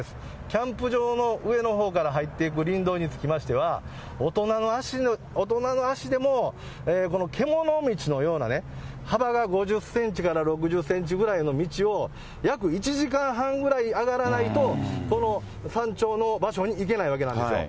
キャンプ場の上のほうから入っていく林道につきましては、大人の足でも、この獣道のようなね、幅が５０センチから６０センチぐらいの道を約１時間半ぐらい上がらないと、この山頂の場所に行けないわけなんですよ。